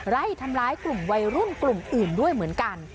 ไล่ทำร้ายกลุ่มวัยรุ่นกลุ่มอื่นด้วยเหมือนกัน